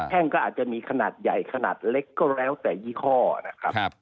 ก็อาจจะมีขนาดใหญ่ขนาดเล็กก็แล้วแต่ยี่ห้อนะครับ